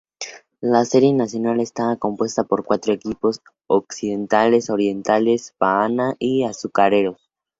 La primera Serie Nacional, estaba compuesta por cuatro equipos: Occidentales, Orientales, Habana y Azucareros.